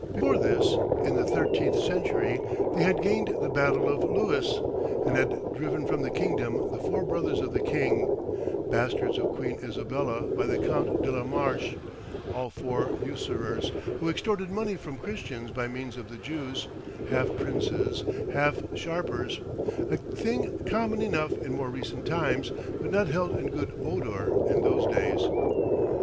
Before this, in the thirteenth century, they had gained the battle of Lewes, and had driven from the kingdom the four brothers of the king, bastards of Queen Isabella by the Count de la Marche; all four usurers, who extorted money from Christians by means of the Jews; half princes, half sharpers a thing common enough in more recent times, but not held in good odour in those days.